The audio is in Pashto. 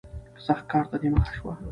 که سخت کار ته دې مخه شوه